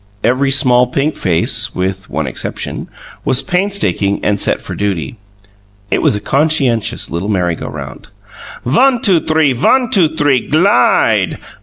Every small pink face with one exception was painstaking and set for duty. It was a conscientious little merry go round. "One two three; one two three glide!